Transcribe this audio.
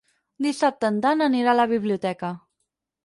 Dissabte en Dan anirà a la biblioteca.